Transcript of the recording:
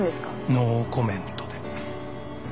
ノーコメントで。